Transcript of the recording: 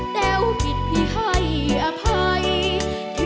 แต่วจากกลับมาท่าน้าที่รักอย่าช้านับสิสามเชย